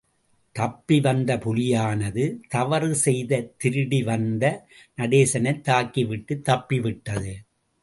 தப்பி வந்த புலியானது, தவறுசெய்து திருடிவந்த நடேசனைத் தாக்கிவிட்டுத் தப்பிவிட்டது.